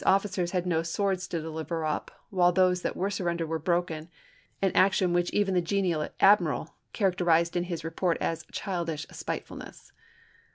x. officers had no swords to deliver up, while those that were surrendered were broken; an action secretary which even the genial admiral characterized in his Navy, i864; & p. 473. report as " childish spitefulness."